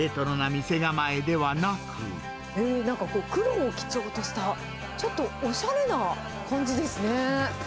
なんか、黒を基調とした、ちょっとおしゃれな感じですね。